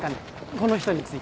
この人について。